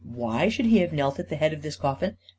Why should he have knelt at the head of this coffin?